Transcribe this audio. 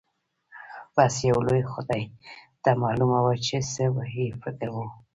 بس يو لوی خدای ته معلومه وه چې څه يې فکر و.